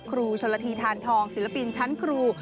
ครูชนละทีทานทองศิลปินชั้นครู